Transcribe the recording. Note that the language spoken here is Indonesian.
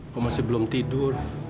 kamu masih belum tidur